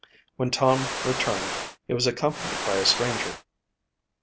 When Tom returned he was accompanied by a stranger.